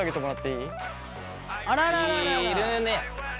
いるね。